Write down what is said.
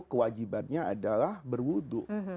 kewajibannya adalah berudu